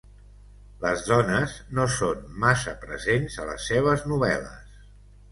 Les dones no són massa presents a les seves novel·les.